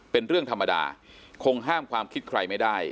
เป็นเรื่องธรรมดาคงห้ามความคิดใครไม่ได้